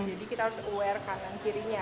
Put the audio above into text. jadi kita harus aware kanan kirinya